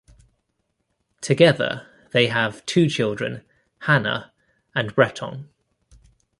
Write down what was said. Together, they have two children, Hannah and Breton.